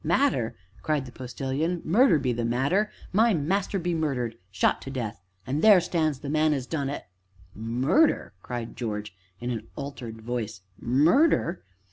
"Matter?" cried the Postilion; "murder be the matter my master be murdered shot to death an' there stands the man as done it!" "Murder?" cried George, in an altered voice; "murder?"